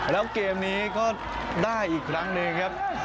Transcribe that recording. แล้วเกมนี้ก็ได้อีกครั้งหนึ่งครับ